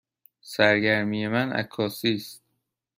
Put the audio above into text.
سرگرمی من عکاسی است.